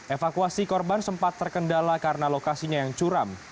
evakuasi korban sempat terkendala karena lokasinya yang curam